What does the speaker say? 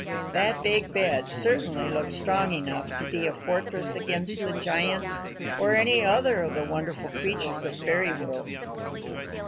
That big bed certainly looked strong enough to be a fortress against the giants or any other of the wonderful creatures of fairy world.